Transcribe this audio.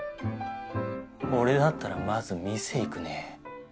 俺だったらまず店行くね。